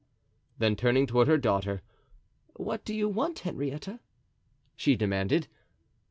'" Then turning toward her daughter: "What do you want, Henrietta?" she demanded.